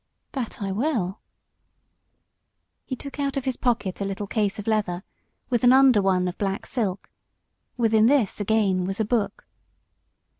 "That I will." He took out of his pocket a little case of leather, with an under one of black silk; within this, again, was a book.